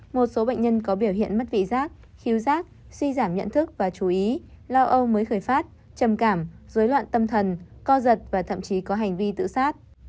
một số bệnh nhân có biểu hiện mất vị giác khiếu rác suy giảm nhận thức và chú ý lo âu mới khởi phát trầm cảm dối loạn tâm thần co giật và thậm chí có hành vi tự sát